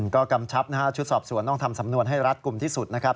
ก็กำชับนะฮะชุดสอบสวนต้องทำสำนวนให้รัดกลุ่มที่สุดนะครับ